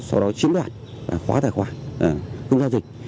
sau đó chiếm đoạt khóa tài khoản không giao dịch